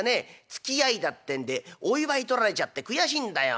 つきあいだってんでお祝い取られちゃって悔しいんだよ。